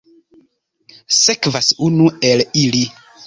Sekvas unu el ili.